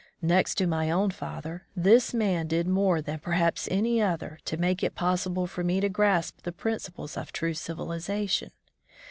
Next to my own father, this man did more than perhaps any other to make it possible for me to grasp the principles of true civilization.